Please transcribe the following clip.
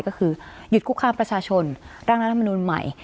ก็คือหยุดกุ๊กครามประชาชนรักร้านอมนุนส์ใหม่